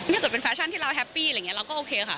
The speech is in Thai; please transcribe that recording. ถ้าต้องเป็นแฟชั่นที่เราแฮปปี้เราก็โอเคค่ะ